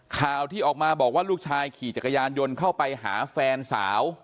ข่าวที่ออกมาบอกว่าลูกชายขี่จักรยานยนต์เข้าไปหาแฟนสาว